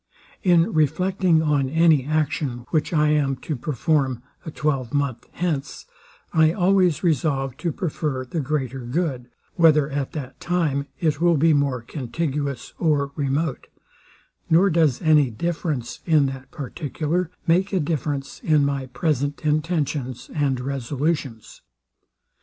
In reflecting on any action, which I am to perform a twelve month hence, I always resolve to prefer the greater good, whether at that time it will be more contiguous or remote; nor does any difference in that particular make a difference in my present intentions and resolutions.